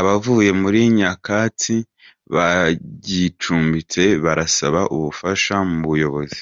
Abavuye muri nyakatsi bagicumbitse barasaba ubufasha mu buyobozi